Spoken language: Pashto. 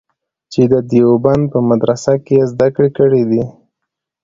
چې د دیوبند په مدرسه کې یې زده کړې کړې دي.